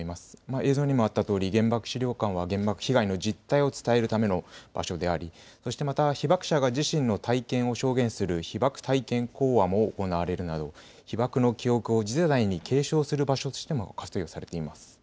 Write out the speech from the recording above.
映像にもあったとおり、原爆資料館は原爆被害の実態を伝えるための場所であり、そしてまた、被爆者が自身の体験を証言する被爆体験講話も行われるなど、被爆の記憶を次世代に継承する場所としても活用されています。